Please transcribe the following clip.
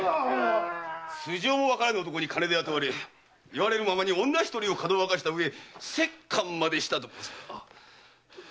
素性もわからぬ男に金で雇われ言われるままに女一人をかどわかしたうえ折檻までしたと申すのか？